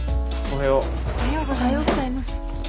おはようございます。